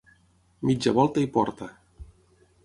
Mitja volta i porta.